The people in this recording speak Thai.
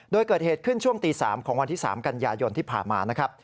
โดยเกิดเหตุขึ้นช่วงตี๓ของวันที่๓กันยายนที่ผ่านมานะครับ